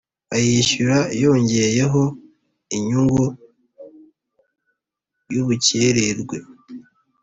Ayishyura yongeyeho inyungu y ubukererwe